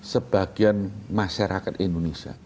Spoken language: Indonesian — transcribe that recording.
sebagian masyarakat indonesia